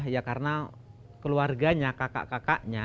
ya karena keluarganya kakak kakaknya